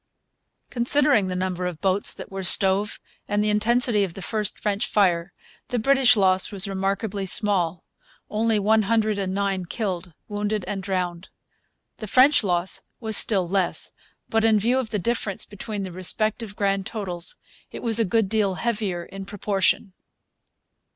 Considering the number of boats that were stove and the intensity of the first French fire, the British loss was remarkably small, only one hundred and nine killed, wounded, and drowned. The French loss was still less; but, in view of the difference between the respective grand totals, it was a good deal heavier in proportion.